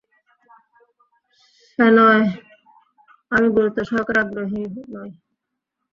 শেনয়, আমি গুরুত্ব সহকারে আগ্রহী নই।